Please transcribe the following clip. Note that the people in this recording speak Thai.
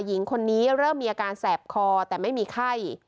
หญิงคนนี้เริ่มมีอาการแสบคอแต่ไม่มีไข้